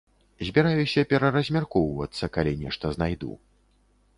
Збіраюся пераразмяркоўвацца, калі нешта знайду.